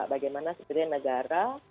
bagaimana sebetulnya negara